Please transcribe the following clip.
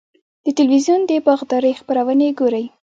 د تلویزیون د باغدارۍ خپرونې ګورئ؟